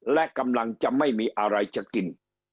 และกำลังจะไม่มีอะไรจะกิน